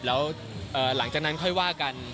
แล้วหลังจากนั้นค่อยว่ากัน